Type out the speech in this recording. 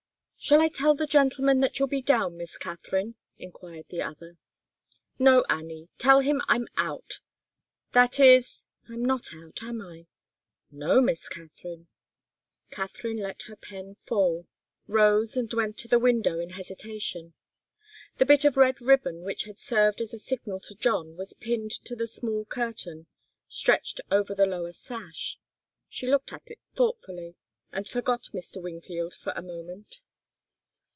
"Shall I tell the gentleman that you'll be down, Miss Katharine?" enquired the other. "No, Annie. Tell him I'm out. That is I'm not out, am I?" "No, Miss Katharine." Katharine let her pen fall, rose and went to the window in hesitation. The bit of red ribbon which had served as a signal to John was pinned to the small curtain stretched over the lower sash. She looked at it thoughtfully, and forgot Mr. Wingfield for a moment.